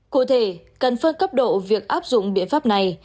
cụ thể cần phân cấp độ việc áp dụng biện pháp này